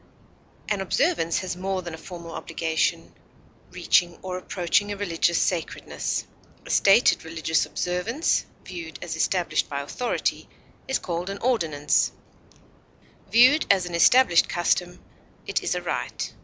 An observance has more than a formal obligation, reaching or approaching a religious sacredness; a stated religious observance, viewed as established by authority, is called an ordinance; viewed as an established custom, it is a rite.